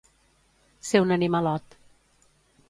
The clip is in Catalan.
Ser un animalot.